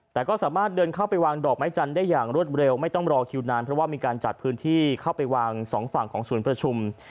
แต่ก็สามารถเดินเข้าไปวางดอกไม้จันทร์ได้อย่างรวดเร็วไม่ต้องรอคิวนานเพราะว่ามีการจัดพื้นที่เข้าไปวางสองฝั่งของศูนย์ประชุม